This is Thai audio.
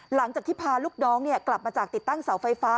หลังจากที่พาลูกน้องกลับมาจากติดตั้งเสาไฟฟ้า